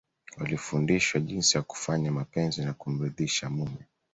Walifundishwa jinsi ya kufanya mapenzi na kumridhisha mume